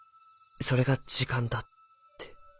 それが時間だって。